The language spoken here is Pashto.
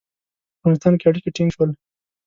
په افغانستان کې اړیکي ټینګ شول.